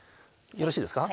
よろしいですか？